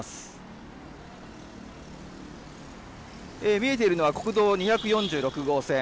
見えているのは国道２４６号線